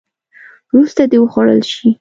وروسته دې وخوړل شي.